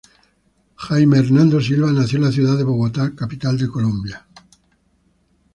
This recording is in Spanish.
Jaime Hernando Silva nació en la ciudad de Bogotá, la capital de Colombia.